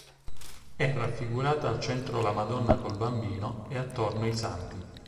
È raffigurata al centro la Madonna col Bambino, e attorno i santi.